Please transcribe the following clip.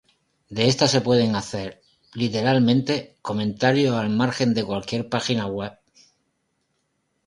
De esta se pueden hacer, literalmente, comentarios al margen de cualquier página web.